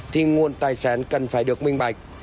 thì nguồn tài sản cần phải được minh bạch